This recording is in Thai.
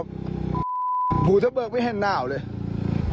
บูชะเบิกไม่เห็นเป็นเป็นครั้งหน่าวเลย